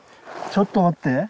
ちょっと待って。